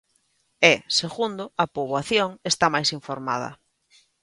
E, segundo, a poboación está máis informada.